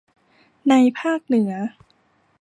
ในภาคเหนือ